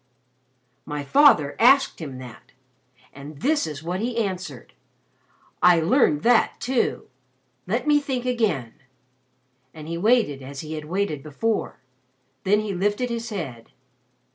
"My father asked him that. And this is what he answered. I learned that too. Let me think again," and he waited as he had waited before. Then he lifted his head.